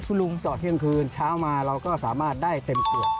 คุณลุงจอดเที่ยงคืนเช้ามาเราก็สามารถได้เต็มขวด